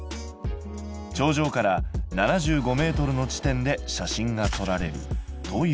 頂上から７５ｍの地点で写真が撮られるということ。